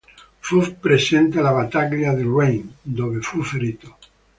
Fu presente alla Battaglia di Rain, dove fu ferito.